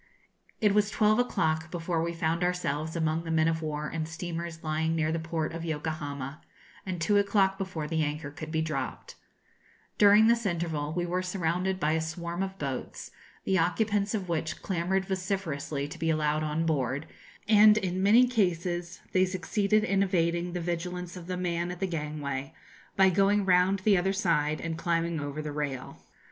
It was twelve o'clock before we found ourselves among the men of war and steamers lying near the port of Yokohama, and two o'clock before the anchor could be dropped. [Illustration: Little Redcap.] During this interval we were surrounded by a swarm of boats, the occupants of which clamoured vociferously to be allowed on board, and in many cases they succeeded in evading the vigilance of the man at the gangway, by going round the other side and climbing over the rail.